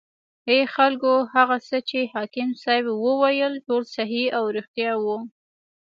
ای خلکو هغه څه چې حاکم صیب وویل ټول صحیح او ریښتیا و.